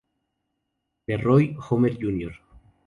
LeRoy Homer, Jr.